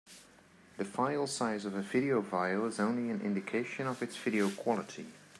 The filesize of a video file is only an indication of its video quality.